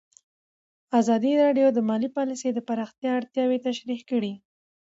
ازادي راډیو د مالي پالیسي د پراختیا اړتیاوې تشریح کړي.